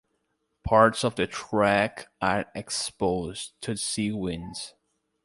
Parts of the track are exposed to sea winds.